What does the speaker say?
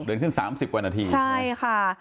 เดินขึ้น๓๐กว่านาทีใช่ค่ะ